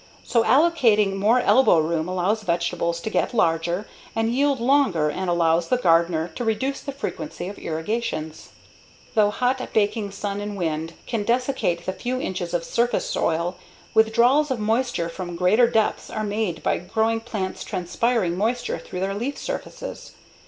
So allocating more elbow room allows vegetables to get larger and yield longer and allows the gardener to reduce the frequency of irrigations. Though hot, baking sun and wind can desiccate the few inches of surface soil, withdrawals of moisture from greater depths are made by growing plants transpiring moisture through their leaf surfaces.